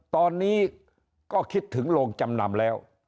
ตอนนี้ก็คิดถึงโรงจำนำแล้ว